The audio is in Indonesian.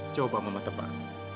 coba mama tebak